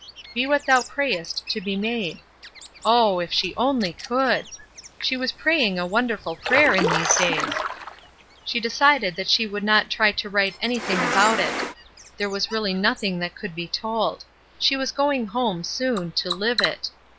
" Be what thou prayest to be made." Oh, if she only could! She was praying a wonderful prayer i„ these days. She decided that she would not try to write anything about If there was really nothing that could be told she was going home, soon, to live it.